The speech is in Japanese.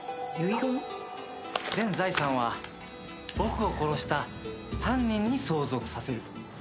「全財産は僕を殺した犯人に相続させる」と。